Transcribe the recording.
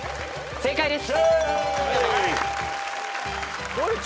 正解です。